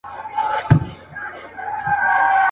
په لامبو کي یې ځان نه وو آزمېیلی.